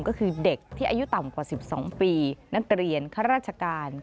ก็คือเด็กที่อายุต่ำกว่า๑๒ปีนักเรียนข้าราชการ